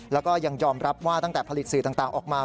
แล้วก็ยังยอมรับว่าตั้งแต่ผลิตสื่อต่างออกมา